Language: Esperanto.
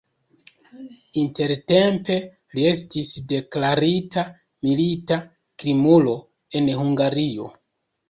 Intertempe li estis deklarita milita krimulo en Hungario.